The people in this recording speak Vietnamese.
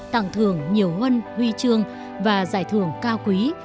tặng thường nhiều huân huy trường và giải thưởng cao quý